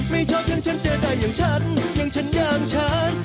ไม่ชอบอย่างฉันเจอได้อย่างฉันอย่างฉันอย่างฉัน